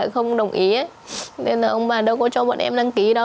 không đồng ý ấy nên là ông bà đâu có cho bọn em đăng ký đâu